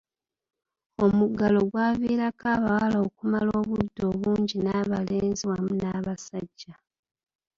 Omuggalo gwavirako abawala okumala obudde obungi n'abalenzi wamu n'abasajja.